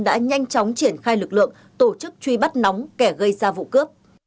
đã nhanh chóng triển khai lực lượng tổ chức truy bắt nóng kẻ gây ra vụ cướp